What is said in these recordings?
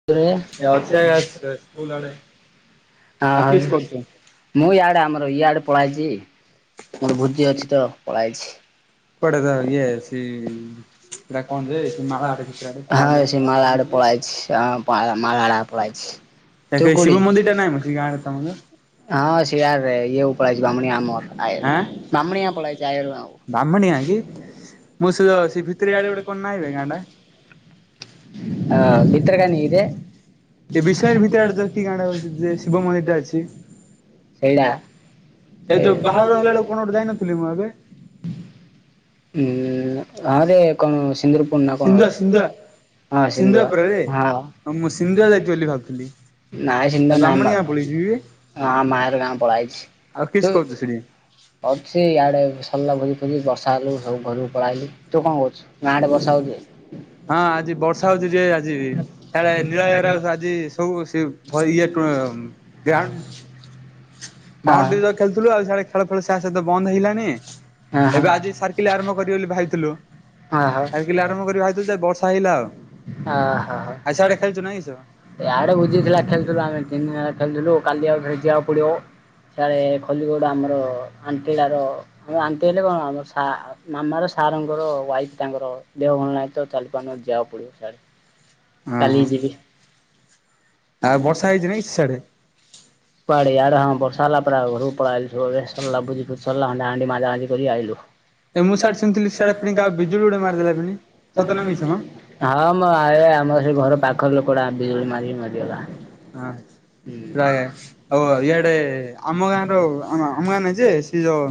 [inaudible] ଏ ଅଛି ଆଜ୍ଞା ସ୍କୁଲ ଆଡେ ଆଉ କିସ୍ କରୁଛୁ? ମୁଁ ଇଆଡେ ଆମର ଇଆଡେ ପଳାଇଛି ମୋର ଭୋଜି ଅଛି ତ ପଳାଇଚି। ପଡ଼େ ତ ଇଏ ସେ ସେଟା କଣ ଯେ ସେ ମାଳ ଆଡେ ଭିତର ଆଡେ ପାଲ ହଁ ସେ ମଲ ଆଡେ ପଳାଇଛି। [unintelligible] ତା ତୁ କେ କୋଉଠି? ଶିବ ମନ୍ଦିର ଟ ନାହିଁ ମ ଗାଁରେ ତମର। ହଁ ସେଆଡ ରେ ଇଏ ପଳେଇଛି ଭାମୁଣ ଆମର ଆଁ ଆ ବ୍ରାହ୍ମଣୀ ଗାଁ କି [unintelligible] ମୁଁ ସେ ସେ ଭିତରେଆଡେ ଗୋଟେ କଣ ନାହିଁ ଗାଁଟା। ହ ଭିତରକାନିକିରେ। ଏ ବିଷୟରେ ଭିତରେ ଆଡେ ଯ କି ଗାଁ ଟା ହଉଛି ଯେ ଶିବ ମନ୍ଦିର ଟା [unintelligible] ଅଛି। ସେଇଟା ଏ ଯୋଉ [unintelligible] ବାହାଘର ହେଲା ବେଳକୁ କଣ ଗୋଟେ ଯାଇନଥିଲି ମୁଁ ଏବେ ହୁଁ ଆ ଦେ କଣ ସିନ୍ଦୁରପୁର ନା କଣ ସିନ୍ଧୁଆ ଅଛି। ସିନ୍ଧୁଆ ହଁ ସିନ୍ଧୁଆ ସିନ୍ଦୁ ପରାରେ ହଁ। ମୁଁ ସିନ୍ଧୁଆ ଯାଇଚି ବୋଲି ଭାବୁଥିଲି ନାଇ [unintelligible] ନାଇ ବ୍ରାହ୍ମଣୀ ମର। ଗାଁ ପଳେଇଚି ବେ ହଁ ମାୟାର ଗାଁକୁ ପଳାଇଛି ଆଉ କିସ୍ ତୁ କରୁଛୁ ସେଠି? କରଛି ଆଡେ ସରିଲା ବୁଲି ଫୁଲି ବର୍ଷା ହେଲୁ ସବୁ ଘରକୁ ପଳେଇଲି ତୁ କଣ କରୁଛୁ? ଗଁ ଆଡେ ବର୍ଷା ହଉଛି। ହଁ ଆଜି ବର୍ଷା ହଉଛି ଯେ ଆଜି ବି ସେଡ ନୀଳରେ ଆଜି ସବୁ ଘ ଇଏ ଗ୍ରଣ୍ଡ ହଁ ବାଉଣ୍ଡି ଯ ଖେଳୁଥିଲୁ ଆଉ ଖେଳ ଫେଳ ସତ ବନ୍ଦ ହେଇଲାଣି। ହଁ [unintelligible] ଏବେ ହ ହ ହ ହ ଆଜି ସାର୍କିଲ [unintelligible] ଆରମ୍ଭ କରିବେ ବୋଲି ଭାବିଥିଲୁ ସାର୍କିଲ ଆରମ୍ଭ କରି ଭାବିଥିଲୁ ଯେ ବର୍ଷା ହେଇଲା ଆଉ ଆଉ ସିଆଡେ ଖେଳୁଛୁ ନାଇଁ କିସ ଏଇ ଆଡେୁଝି ଥିଲା ଖେଳୁଥିଲ ଆମେ ତିନି ଦିନ ହେ ଖେୁଥିଲୁ କାଲି ଆଉ ଯିବାକୁ ପଡିବ ସେଆଳେ ଖୋଲିଗୁଡ଼ ଆମର ଆଣ୍ଟିଳାର ଆମ ବାନ୍ତି ହେଲେ କଣ ଆମ ମାମ ର ସାର୍ଙ୍କର ୱାଇଫ ତାଙ୍କର ଦେହ ଭଲ ନାହିଁ ତ ଚାଲି ଦୋକାନ ଯିବାକୁ ପଡ଼ିବ ସାର୍। [inaudible] କାଲି ହଁ ଜୀବି। ଆଉ ବର୍ଷା ହେଇଛି ନାଇଁ ସିଆଡ଼େ? ଇ ଆଡେ ହଁ ସଲା ପରୋ ଘରୁ ପଳାଇଲୁରେ ସଲା ବୁଝି ସ୍ ହାଣ୍ଡା ହଣ୍ଡି ମାଜା ହାଜି କରି ଆଇଲୁ। ଏ ମୁଁ ସିଆଡେ ଶୁଣିଥିଲି ସିଆଡେ ପୁଣି କାହା ବିଜୁଳି ଗୋଟେ ମାରିଦେଲା ପୁଣି ପ ସତ ନା ମିଛ ମ [unintelligible] ହଁ ମୁଁ ଆ ଆମର ସେ ଘର ପାଖରେ ଲୋକଟା ବିଜୁଳି ମାରିକି ମାର ହଁ ର ଆଉ ଇଏଡ଼େ ଆମ ଗାଁ ର ଆମ ଗାଁ ନାଁ ଯେ ସିଏ ଯୋଉ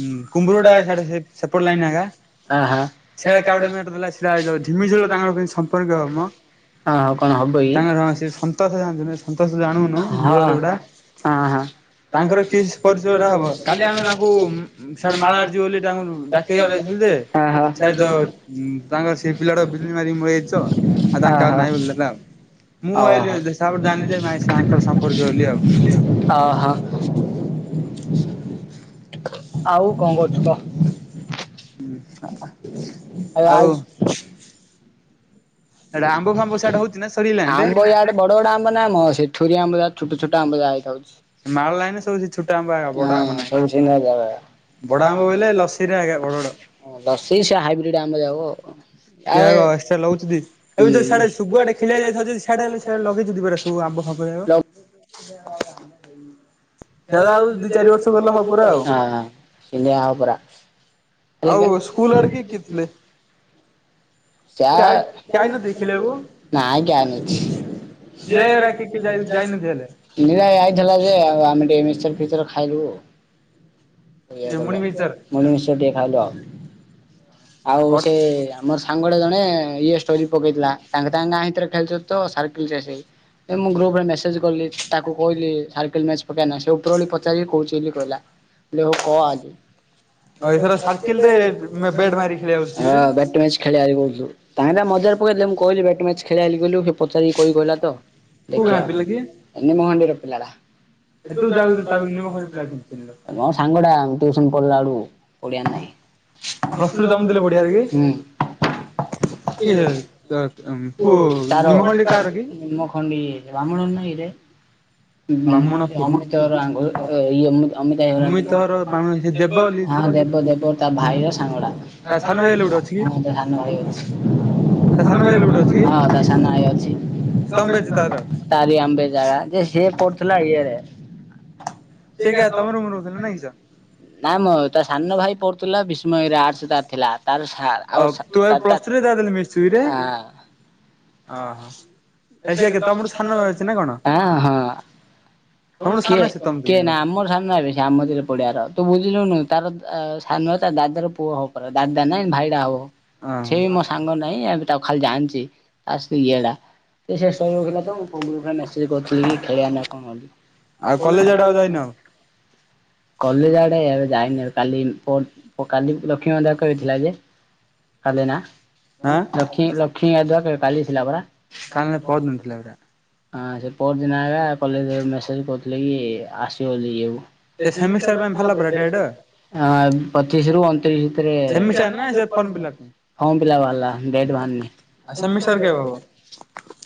ହଁ କୁମ୍ଭରୁଟା ସେ ସେପଟ ଲାଇନ ହୋ ହଁ ହଁ [unintelligible] ଯୋଉ ଝିମିଝିଲ ତାଙ୍କର କେମିତି ସମ୍ପର୍କୀୟ ମ। ହଁ ହଁ କଣ ହବ ହଁ ତାଙ୍କର ସେ ସନ୍ତୋଷ ଜାଣିଛନ୍ତି ସନ୍ତୋଷ ଜାଣୁନୁ [unintelligible] ବୁଢା ହଁ ଲୋକଟା। ତାଙ୍କର କି ହଁଙ୍କର [unintelligible] ସଠ ମାଳ ଆଛି ବୋଲି ତାଙ୍କୁ ଡାକେଇକୁ ଯ ଯେ ହଁ ହଁ ସାର୍ ତ ତାଙ୍କର ସେ ପିଲାଟା ବିଜୁଳି ମାରି ମରି ଯାଇଛି ଆଉ ତାଙ୍କ ହଁ ଆଉ ହଁ ନାଇଁ ବୋଲିଥିଲା ଆଉ। ମୁଁ ଆଇଲି ତାପରେ ଜାଣିଲି ଓହୋ ଯେ ନାଇଁ ତାଙ୍କର ସମ୍ପର୍କୀୟ ବୋଲି ଆଉ ଓ ହୋ। ଆଉ କଣ କରୁଛୁ କହ। ହଁ ଏବେ ଆଉ। ଆଇଛୁ ସେଟା ଆମ୍ବ ଫାମ୍ବ ସିଆଡେ ହଉଛି ନା ସରି ଲାଇନରେ ଆମ୍ବ ଆଡେ ବଡ ବଡ ଆମ୍ବ ନା ଆମ ସେଠୁରି ଆମ୍ବା ଛୋଟଛୋଟ ଆମ୍ବ ଯହା ହେଇଥାାଉଛି। ମାଳ ଲାଇନରେ ସବୁ ସେ ଛୋଟ ଆମ୍ବ ବଡ ହ ଆମ୍ବ ନାହିଁ। ସବ [unintelligible] ବଡ ଆମ୍ବ ବୋଇଲେ ଲସିରେ ଆଜ୍ଞା ବଡ ବଡ। ଲଷେଇ ସେ ହାଇବ୍ରିଡ ଆମ୍ ଯାଉ ଆ। ହୁଁ। ଅବସ୍ଥାା ଲାଗଉଛନ୍ତିି। ଏବେ ଯଉ ଆଡେ ଶୁଆଡେ ଖିଲଳିଆ ଯାଇଥାଉଛନ୍ତିିଆଡେ ହେଲେ ସେଆ ଲଗେଇ ଯି ପରା ସବ ଆବ ଫରେ [unintelligible] ହଁ ଶିନି ଆପରା। ଆଉ ସ୍କୁଲ ଆଡେ କିଏ କିଏ ଥିଲେ? [unintelligible] ଚା କିଏ ଆଇ କିଏ ଆଇନଥିଲେ ଖେଳିବାକୁ ନାଇ [unintelligible] ଅଛି। ନୀଳାୟରା କିଏ କିଏ ଯାଇ ଯାଇନଥିଲେ ହେଲେ। [unintelligible] ନନା ଇ ଥିଲା ଯେ ଆଉ ଆମେ ଟିକେ ମିଚର ଫିଚର ଖାଇଲୁ ଆଉ [unintelligible] ଏ ମୁଣି ମିଚର୍ ମିଶର ଟିକେ ଖାଇଲୁ ଆଉ, ଆଉ ସେ ମୋର ସାଙ୍ଗଟେ ଜଣେ ଇଏ ଷ୍ଟୋରି ପକେଇଥିଲା, ତାଙ୍କ ତାଙ୍କ ଗାଁ ଭିତରେ ଖେଳ ତ ସାର୍କ ସେ ଏ ମୁଁ ଗ୍ରୁପ ରେ ମେସେଜ୍ କଲି ତାକୁ କହିଲି ସାର୍କେଲ ମଚ ପକେଇଁ ସେ ଉପର ଭଳି ପଚାରି କହୁଛି ବୋଲି କହିଲା। କହ ଆ ଆଉ ଏଥର ସାର୍କିଲ୍ ରେ ମେ ବ୍ୟାଟ୍ ମାରି ଖେଳିବାକୁ ଆସିବିରେ। [unintelligible] ଖେଳିଆ କହୁଛୁ। କାହିଁ ନା ମଜ ପକେଇଲେ ମୁଁ କହିଲି ବେଟ [unintelligible] ପଚାରି କହି କହିଲ ତ କୋଉ ଗାଁ ଦେଖିବା ପିଲା କିଏ? ଏନେ ମହାଣ୍ଡିର ପିଲା ଟା। [unintelligible] ହଁ ସାଙ୍ଗଟା ଟ୍ୟୁସନ ପଢିଲା ବେଳୁ ଓଡିଆ ନାଇଁ ପ୍ଲସ୍ ଟୁ ରେ ଦମ୍ ଦେଲେ ବଢିଆରେ କି? କିଏ ହୁଁ କୋଉ ତାର ନିମଖଣ୍ଡି କାହାର କି? ନିମ ଖଣ୍ଡି ରାମୁଣ ନାଇ କିରେ ବାମୁଣ କିଏ ମ? [unintelligible] [inaudible] ଅମିତର ବାଣ ସେ ଦେବ ବୋଲି ହଁ ଥିଲା ଦେବ ଦେବ ତା ଭାଇର ସାଙ୍ଗଡା। ତା ସାନ ଭାଇ ହେଲେ ଗୋଟେ ଅଛି କି ହଁ ତା ସାନ ଭାଇ ଅଛି। ତା ସାନ ଭାଇ ହେଲେ ଗୋଟେ ଅଛି କି ହଁ ତା ସାନ ଭାଇ ଅଛି। ତମ ବ୍ୟାଚ୍ ତାର ତାରି ଆମ୍ବେ ଜାଗା, ଯେ ସିଏ ପଡୁଥିଲା ଇଏରେ ସେ କିଆ ତମ ରୁମରେ ରହୁଥିଲା ନା କିସ? ନା ମ ତା ସାନ ଭାଇ ପଢୁଥିଲା ବିଷ୍ମୟରେ ଆର୍ଟ୍ସ ତାର ଥିଲା। ତାର ସାର୍ ଅ ଆଉ ତୁ ଏବେ ପ୍ଲସ୍ ଟୁ ରେ ତା [unintelligible] ହ ଓ ହୋ ଆଁ ହଁ ତମଠୁ ସାନ କିଏ ସେ ତମକୁ କିଏ ଓହୋ ନା ଆମର ସା ନାଇବେ ସିଏ ଆମରେ ପଡିବାର ତୁ ବୁଝିଲୁନୁ ତାର ସାନ ତା ଦାଦାର ପୁଅ ହ ଦାଦା ନାଇଁ ଭାଇଟା ହବ। ସେ ବି ମୋ ସାଙ୍ଗ ନାହିଁ, ଏବେ ତାକୁ ଖାଲି ଜାଣିଛି ତା ସହିତ ଇଏ ହେଟା। ସେ ଶୋଇ ରହୁଥିଲା ତ, ମୁଁ ଗ୍ରୁପ୍ ରେ ମେସେଜ୍ କରିଥିଲି କି ଖେଳିବା ନା କଣ? ଆଉ କଲେଜ ଆଡେ ଆଉ ଯାଇନ ଆଉ। କଲେଜ ଆଡ଼େ ଏବେ ଯାଇନି କାଲି ଫୋନ୍ କାଲି ଲକ୍ଷ୍ମୀ ମନ୍ଧ କହିଥିଲା ଯେ କାଲି ନା, ଆଁ ଲକ୍ଷ୍ମୀ ଗାଧୁଆ କାଲି ଥିଲା ପରା। କାଲି ପରଦିନ ଥିଲା ପରା [unintelligible] ହଁ ସେ ପଅର୍ ଦିନ ଆଇଲା, କଲେଜରେ ମେସେଜ କରୁଥିଲେ କି ଆସିବ ବୋଲି ଇଏକୁ। ସେ ଏ ସେମିଷ୍ଟାର ପାଇଁ ଭଲ ବାହାରିଲା ପରା ଡେଟ୍ [unintelligible] ହଁ ପଚିଶ ରୁ ଅଣତିରିଶ ଭିତରେ ସେମିଷ୍ଟାର ନା ସେ ଫର୍ମ ଫିଲପ୍ ପାଇଁ ହଁ ପିଲା ବାହାରିଲା, ଦେଟ ଭାରିନି। ଆ ସେମିସାର୍ କେବେ ହବ?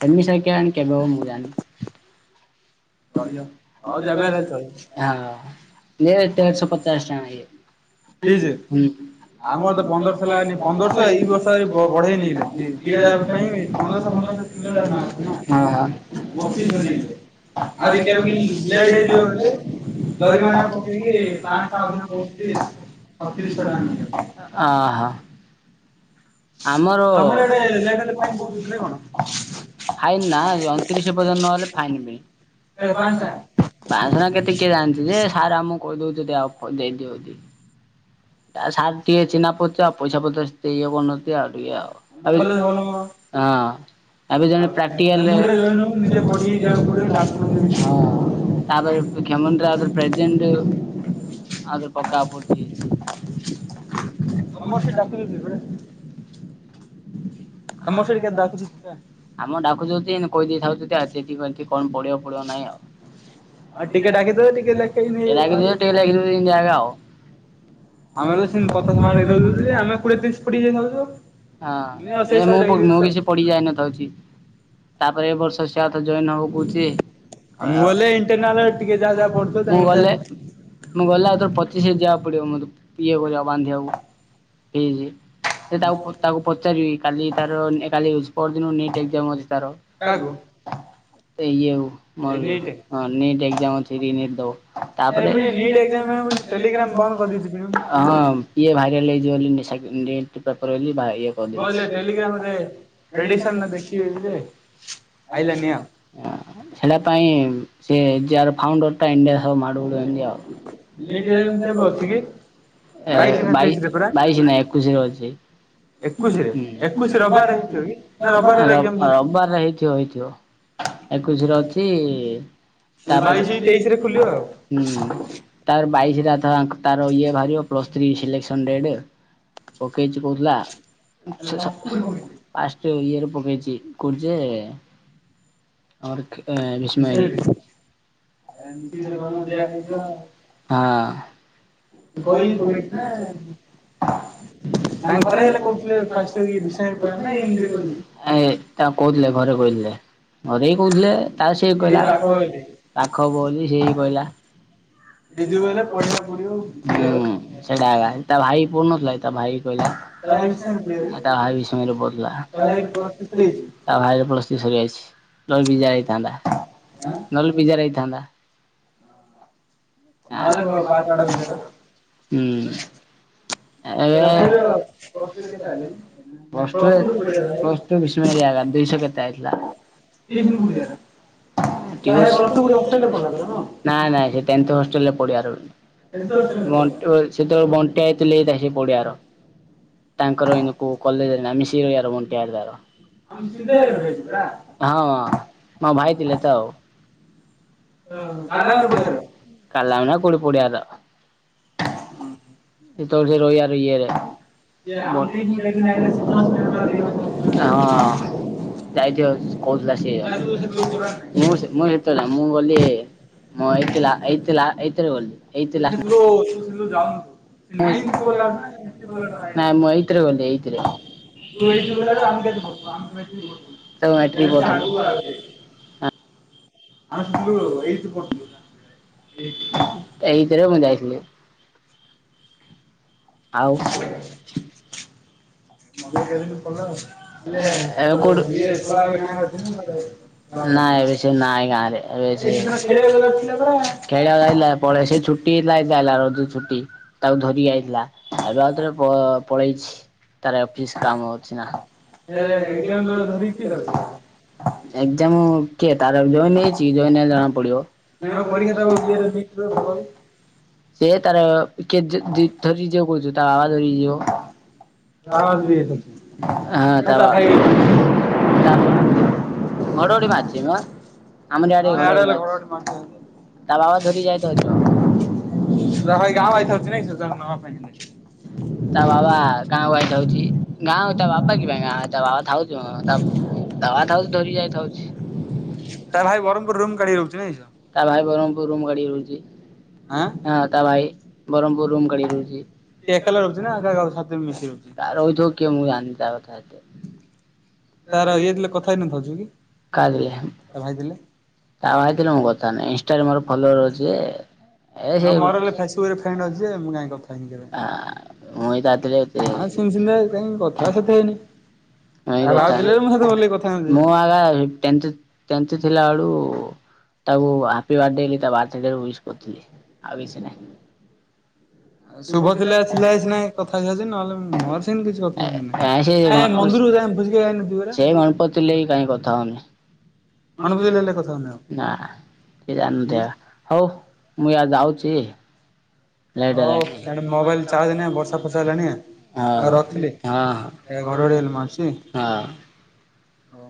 ସେମିସାର୍ କେଇଆଣି କେବେ ହବ, ମୁଁ ଜାଣିନି। ହଁ ହଉ ନେ ଯେବେ ହେଲେ ଚଳିବ ବେ ତେରସ ପଚାଶ ଟଙ୍କା ଇଏ, ହୁଁ। ପ୍ଲିଜ୍ ଆମର ତ ଆମର ତ ପନ୍ଦର ଲାଗନି ପନ୍ଦରଶହ ପନ୍ଦରଶହ ଏଇ ବର୍ଷ ବଢେଇ ନେଇଗଲେ ଦିଟା ନେଇ ଯାକ ପାଇଁ ଦ ପନ୍ଦରଶହ ପନ୍ଦରଶହ ହଜାର ତିନି ହଜାର ଲାଖ ନା ଓହୋ। [unintelligible] ବକ୍ସିସ ଦେଇଲେ। ଦରିମା ଆହୁରି ଟା କେମିତି ଲେଟ୍ କମେଇକି ହେଇଯିବ ବୋଲି ପାଞ୍ଚଟା ଜରିମାନା ଅଧ ପକେଇକି ଚଉତିରିଶ ପାଞ୍ଚଶହ ଅଧିକ କହୁଛନ୍ତି ତିରିଶହ ଟଙ୍କା ସତତିରିଶହ ଟଙ୍କା ନେଇଯାଉଛନ୍ତି। ନଉଛି। ଅହ ଆମର ତମର ଏଟେ ଲେଟ୍ ହେଲେ ଫାଇନ୍ ପକଉଛନ୍ତି ନା କଣ ଫାଇନ ନା ଅଣତିରିଶ ପର୍ଯ୍ୟନ୍ତ ନହଲେ ଫାଇନ ଏ ପାଞ୍ଚ ବି ଟଙ୍କା ପାଂଶ ନା କେତେ କିଏ ଜାଣିଚି ଯେ, ସାର୍ ଆମକୁ କହିଦଉଛନ୍ତି ଆଉ ପ ଦେଇଦିଅ ଦେଇ ସାର୍ ଟିକେ ଚିହ୍ନାପରିଚ ଆଉ ପଇସା ପତ୍ର ସେତେ ଇଏ କରୁନ ତି ଆଉ ଟିକେ ଆଉ ଆମ କଲେଜ ଭଲ [unintelligible] ନୁହଁ। ହଁ। ଆବେ ଜଣେ ଆଉ ପ୍ରାକ୍ଟିକାଲରେ ହେମୁଣ୍ଡରେ ଜଏନ୍ ହବୁ ନିଜେ ପଢିକି ଯିବାକୁ ପଡିବ ଡାକୁଛନ୍ତି ସେଠି। ହଁ ତାପରେ [unintelligible] ପ୍ରେଜେଣ୍ଟ ଆଉ ଥରେ ପକା ପଡିଛି। ତମର ସେ ଡାକି ଦୋଉଛନ୍ତି ପରା। ତମର ସେଠି କେତେ ଡାକୁଛନ୍ତି ପରା। [inaudible] ଆମ ଡାକୁଚଛନ୍ତି କହିଦେଇ ଥାଉ ଆଉତି କଣ ପଡେଇବ ପଡିବ ନାଇଁ ଆଉ। ହଁ ଟିକେ ଡାକିଦେବା [unintelligible] ଆମେ ଟିକେ ଲାଗିଯିବ ଏମିତି ଆକା ଆଉ। ତ ସେମତି [unintelligible] ଆମେ କୋଡିଏ ତିରିଶ [unintelligible] ଏମିତି ହଁ ଅଶି ଏ ଶହେ ମୁଁ ମୁଁ ଲଗେଇଦଉଛୁ ଆଉ। କିଛି ପଡି [unintelligible] ତାପରେ ଏ ବର୍ଷ [unintelligible] ତ ଜଏନ୍ ହବ କହୁଛି। ଆଉ ମୁଁ ହେଲେ ଇଣ୍ଟରନାଲ ଟିକେ ଯାହା ଯାହା ପଢୁଥିବ ମୁଁ ତାଙ୍କୁ ସେୟା ଗଲେ କହୁଛି। ମୁଁ ଗଲା ଆଉଥର ପଚିଶ ହେ ଯିବାକୁ ପଡିବ ମୋତେ ଇଏ କରିବା ବାନ୍ଧିବାକୁ [unintelligible] ତାକୁ ତାକୁ ପଚାରିବି କାଲି ତାର ପର ଦିନ ନିଟ ଏକ୍ସାମ ଅଛି ତାର। କାହାକୁ ସିଏ ଇଏ ଆଉ ମ ଏ ନିଟ୍ ହଁ ନିଟ୍ ଏକ୍ଜାମ ଅଛି। ରିନିଟ ଦବ ଏ ତାପରେ ପୁଣି ନିଟ୍ ଏକ୍ଜାମ ପାଇଁ ପୁଣି ଟେଲିଗ୍ରାମ ବନ୍ଦ କରିଦେଇଛି। ଇଏ ଭାଇରାଲ ହେଇଯିବ ବୋଲି [unintelligible] ନୀଟ ପେପର ବୋଲି ବୋଇଲେ ଟେଲିଗ୍ରାମରେ ପ୍ରେଡିକ୍ସନ ଦେଖିବି ଯେ ଆଇଲାନି ଆଉ। [unintelligible] ସେଟା ପାଇଁ ସେ ଯାର ଫାଉଣ୍ଡର ଟା ଇଣ୍ଡିଆ ସହ ମାଡ ଗୋଳ ବାଇଶ ନିଟ୍ ଏକ୍ଜାମ କେବେ ଅଛି କି? ବାଇଶି ନା ତେଇଶିରେ ପରା ବାଇଶ ନାଇ ଏକୋଇଶ ରେ ଅଛି। ଏକୋଇଶିରେ ଏକୋଇଶି ରବିବାର ହେଇଥିବ କି ନା ରବିବାର ହେଲେ ଏକ୍ଜାମ ଚାଲୁଛି। ରବିବାରରେ ହେଇଥିବ, ହେଇଥିବ। ଏକୋଇଶରେ ଅଛି ହେଲେ ତାପରେ ବାଇଶି ତେଇଶିରେ ଖୋଲିବ ଆଉ। ହୁଁ ତାର ବାଇଶରେ ତାର ଇଏ ବାହାରିବ ପ୍ଲସ୍ ଥ୍ରୀ ସିଲେକ୍ସନ ଡେଟ୍। ପକେଇଛି କହୁଥିଲା। ପାଷ୍ଟ ଇଏ ରେ ପକେଇଚି କଉଟି ଯେ ସେ ବିସ୍ମୟ ରେ। ମିଶିକି ତ ତମକୁ ଦିଆ ହଁ। ହେଇଯିବ ଆଉ। ଗଇ କହିକି ପକେଇଛି ନା ପକେଇଚିନା? [inaudible] ଏ ତାଙ୍କ ଘରେ ହେଲେ ତାକୁ କହୁଥିଲେ ଫାଷ୍ଟ ବିଷୟରେ ପଢ ନା ଇଏ ନିଜେ କହିଲେ। କହୁଥିଲେ ଘରେ କହୁଥିଲେ। ଘରେଇ କହୁଥିଲେ ତା ସେ କହିଲା ଏଇ ପାଖ ହେଲେ ପାଖ ବୋଲି ସେ କହିଲା। ଜିଜୁ କହିଲେ ପଢିବାକୁ ପଡିବ ତା ହୁଁ ସେଟା ତା ଭାଇ ପଡ଼ିନଥିଲା କି ତା ଭାଇ। କହିଲା ଭାଇ ବିଷୟରେ ପଢିବ କି? ତା ଭାଇ ବିଷ୍ମୟରେ ପଢ଼ୁଥିଲା। ତା ଭାଇ ପ୍ଲସ ଥ୍ରୀ ସରିଯାଇଛି ତା ଭାଇର ପ୍ଲସ ଥ୍ରୀ ସରିଯାଇଛି ନହେଲେବି ଯାଇଥାନ୍ତା। ଆଁ ନ ହେଲେ ବିଯାର ହେଇଥାନ୍ତା। ଆ, ନହେଲେ ପାସ୍ ଆଉଟ୍ ଅଫ୍ ବିଷୟରେ। ହୁଁ। ତା ଭାଇର [unintelligible] ପ୍ଲସ ଟୁ କୋଉଠି ପଢିଲା ତା ପ୍ଲସ ଭାଇ? ଟୁ ବିସ୍ମାରି ରେ ଦୁଇଶହ କେତେ ଆଇଥିଲା। [unintelligible] ନାଇଁ ନାଇଁ ସେ ଟେଥ ହଷ୍ଟେଲରେ [unintelligible] ଏମିତି ହଷ୍ଟେଲରେ ପଢିଲା। ସେ ଲେଟ୍ ହେଇଚି ପଡିଆର। ତାଙ୍କର ଏନକୁ କଲେଜର ଆମ [unintelligible] ବଣ୍ଟି ଆଡ଼ଦାର। ଆମେ ସିଲରେ ପାଇଛୁ ପରା ହଁ ହ ଭାଇ ଥିଲେ ତ ଆଉ। କାଲାବର ପଡିଆର। କଲାମ ନା କେଉଁଟି ପଡିଆଦା। ହୁଁ, ହୁଁ। ସେତବଳୁ ସେ ରହ ଆ ରଇଏରେ। ଯେ [unintelligible] ହଁ। ଆମ ଟିଉସନ କେତେଦିନ ଆଇଲା ସେ ଛଅ ମାସ ହେଲା ଦି ମାସ ନା ତିନି ମାସ ହେଲା ଯାଇଥିବ କହୁଥିଲା ସିଏ। ନା ତୁ ସେତେବେଳକୁ ଯିବାର ନାହିଁ। [unintelligible] [unintelligible] [unintelligible] ନାଇନକୁ କହିଲେ ହବ ନା ନାଇଁ ମୁଁ ଏଇଥିରେ ଗଲି ଏଇଥିରେ [unintelligible] ତୁ ଏଇଠି [unintelligible] ଏ ସେ ସେତେବେଳେ ମେଟ୍ରିକ ଆଗକୁ ଆହୁରି। ପଢୁଥିଲି। ଆମେ ସବୁ ଏଇଠି ପଢୁଥିଲୁ। ଏଇଥିରେ ମୁଁ ଯାଇଥିଲି। ଆଉ। ମନ କେମିତି ପଡ଼ିଲା ଏବେ କୋଉଠି [unintelligible] [unintelligible] ଖେଳିବାକୁ [unintelligible] ଖେଳିବାକୁ ଯାଇଥିଲା ପଳେଇ ସେ ଛୁଟି [unintelligible] ଟି ତାକୁ ଧରିକି ଆଇଥିଲା ଏବେ ଆଉଥରେ ପ-ପଳେଇଛି। ତାର ଅଫିସ କାମ ଅଛି ନା। ହେଲେ ଏକ୍ଜାମ୍ ଧରିକି କିଏ ଯାଉଛି। ଏକ୍ଜାମ। କିଏ ତାର ଜଏନ ହେଇଛି ଜଏନ ହେଲେ ଜଣା ପଡିବ। ନା ପରୀକ୍ଷା ଦବାକୁ ଇଏରେ ଲିଙ୍କ୍ ରେ ଦବାକୁ। ସିଏ ତାର କିଏ ଯେ [unintelligible] ଧରି ଯିବାକୁ କହୁଛୁ ତା ବାବା ଧରିକି ଯିବ। [unintelligible] ଆଁ ତା ବା ଇଆଡ଼େ ତା ପା ଘଡଘଡି ମାରୁଚି ନୁହ। ଆମର ଇଆଡ଼େ ଘଡଘଡି ହେଲେ ମାରୁଚି ଘଡ଼ଘଡ଼ି ମାରୁଛି। ତା ବାବା ଧରି ଯାଇ ଥୋଇ ସେ ତା ପାଇଁ ଗାଁ କୁ ଆଇ ଥାଉଚି ନାଇଁ ସେ ତାକୁ ନବା ପାଇଁ ହେଲେ। ତା ବାବା। ଗାଁ କୁ ଆଇ ଥାଉଛି ଗାଁ ତା ବାବା କି ପାଇଁ ଗାଁ ତା ବାବା ଥାଉଛୁ ତା ତା ବା ଥାଉଚି ଧରିକି ଆଇ ଥାଉଛି। ତା ଭାଇ ବହ୍ମପୁର ରୁମ କାଢ଼ି ରହୁଛି ନାଇ ସ। ତା ଭାଇ ବ୍ରହ୍ମପୁର ରୁମ କରି ରହୁଛି। ଆଁ। ହଁ ତା ଭାଇ ବ୍ରହ୍ମପୁର ରୁମ କରି ରହୁଛି। କି ଏକଲା ରହୁଛି ନା କା ସାଥିରେ ମିଶି ରହୁଛି ତା ରହୁଥିବ କିଏ ମୁଁ ଜାଣିନି ତା କଥା ଏତେ। ତାର ଇଏ ଥିଲେ କଥା ହେଇନଥାଉଛୁ କି କାଲି। ତା ଭାଇ ଥିଲେ ତା ଭାଇ ଥିଲେ ମୁଁ କଥା ହଉନି ଇନଷ୍ଟାରେ ମୋର ଫଲୋୟର ଅଛି ଯେ। ଏ ସେ ଅ ମୋର ବି ଫେସବୁକରେ ଫ୍ରେଣ୍ଡ ଅଛି ଯେ ମୁଁ କାହିଁ କଥା ଆ ମୁଁ ତା ଥିଲେ ଏତେ ଆଁ ସିଏ [unintelligible] କାଇଁ କଥା ସେତେ ହେଇନି। ନାଇ ତା ଭାଉ କଥା ଥିଲେ ମୁଁ ସହିତ ଭଲକି କଥା [inaudible] ହେଇନଥିଲି ମୁଁ ଏକା ଟେନ୍ଥ ଟେନ୍ଥରେ ଥିଲା ବେଳୁ। ତାକୁ ହାପି ବାଡେ ବୋଲି ତା ବାର୍ଥ ଡେ ୱିଶ କରିଥିଲି ଆଉ କିଛି ନାହିଁ। ଶୁଭ ଥିଲା ଥିଲା ସିନା କଥା ହେଇଯାଉଛି ନହେଲେ ମୋର ସେମିତି କିଛି କଥା ନାହିଁ ଏ ନାଇ ସେ କାଇଁ ମନ୍ଦିରକୁ [unintelligible] ଯାଇ ଭୋଜି ଖାଇ ଯାଇନଥିଲୁ ପରା ସେ ଗଣପ ଥିଲେ ବି କାହିଁ କଥା ହଉନି। ମନେପକେଇଲେ ହେଲେ କଥା ହଉନି ନା [unintelligible] ହଉ। ମୁଁ ୟା ଯାଉଛି। ଲାଇଟ ଆଉ ହେଲା ହଉ କି। ଇଆଡ଼େ ମୋବାଇଲ ଚାର୍ଜ ନାହିଁ ବର୍ଷା ଫର୍ଷା ହେଲାଣି ଆଉ ହଁ ରଖିଲି ହଁ ଏ ଘର ହଁ ଆଡ଼େ ମାରୁଛି ହଁ। ହଉ।